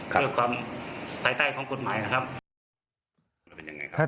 เพื่อความสายใต้ของคุณหมายครับ